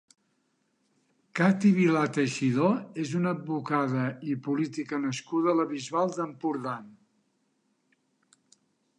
Cati Vilà Teixidor és una advocada i política nascuda a la Bisbal d'Empordà.